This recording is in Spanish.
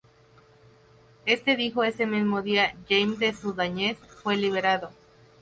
Este dijo Ese mismo día Jaime de Zudáñez fue liberado.